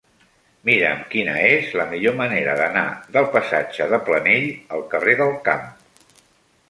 Mira'm quina és la millor manera d'anar del passatge de Planell al carrer del Camp.